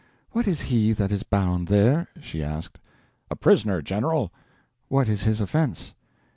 "What is he that is bound there?" she asked. "A prisoner, General." "What is his offense?"